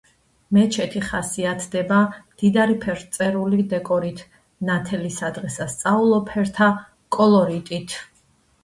მეჩეთი ხასიათდება მდიდარი ფერწერული დეკორით, ნათელი, სადღესასწაულო ფერთა კოლორიტით.